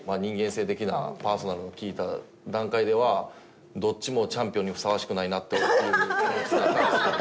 性的なパーソナルも聞いた段階ではどっちもチャンピオンにふさわしくないなという気持ちもあったんですけど。